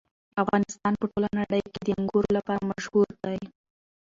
افغانستان په ټوله نړۍ کې د انګور لپاره مشهور دی.